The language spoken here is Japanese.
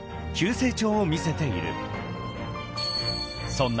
［そんな］